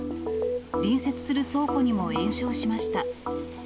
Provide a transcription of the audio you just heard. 隣接する倉庫にも延焼しました。